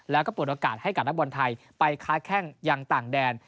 และเปลี่ยนโอกาสให้การนักบนไทยไปคาดแค่งอย่างต่างแดน